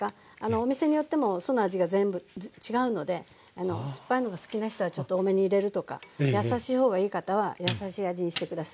お店によっても酢の味が全部違うので酸っぱいのが好きな人はちょっと多めに入れるとか優しい方がいい方は優しい味にして下さい。